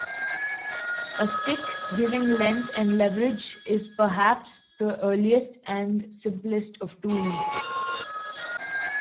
A stick giving length and leverage is perhaps the earliest and simplest of tools.